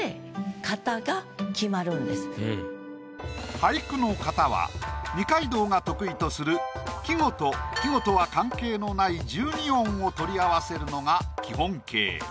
俳句の型は二階堂が得意とする季語と季語とは関係のない１２音を取り合わせるのが基本形。